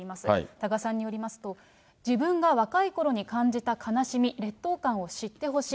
多賀さんによりますと、自分が若いころに感じた悲しみ、劣等感を知ってほしい。